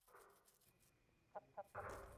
তো ব্যস এর সাথেই থাকতে হবে আমাদের?